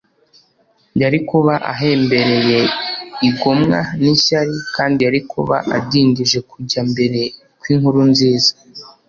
, yari kuba ahembereye igomwa n’ishyari, kandi yari kuba adindije kujya mbere kw’inkuru nziza.